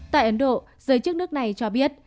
tại ấn độ giới chức nước này cho biết